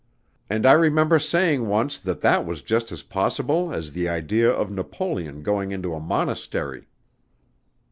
"And I remember saying once that that was just as possible as the idea of Napoleon going into a monastery."